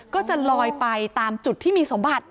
ก็จะลอยไปตามจุดที่มีสมบัติ